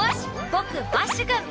僕バッシュくん。